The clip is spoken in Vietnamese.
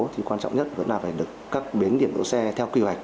thì quan trọng nhất vẫn là phải được các biến điểm đỗ xe theo kỳ hoạch